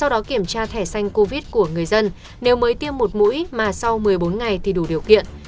sau đó kiểm tra thẻ xanh covid của người dân nếu mới tiêm một mũi mà sau một mươi bốn ngày thì đủ điều kiện